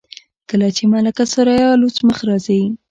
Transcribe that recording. کله چې ملکه ثریا لوڅ مخ راځي.